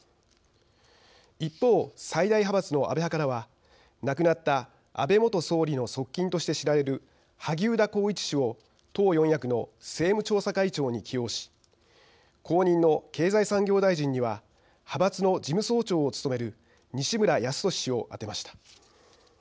一方、最大派閥の安倍派からは亡くなった安倍元総理の側近として知られる萩生田光一氏を党４役の政務調査会長に起用し後任の経済産業大臣には派閥の事務総長を務める西村康稔氏をあてました。